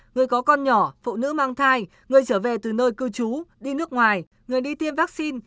người có con nhỏ phụ nữ mang thai người trở về từ nơi cư trú đi nước ngoài người đi tiêm vaccine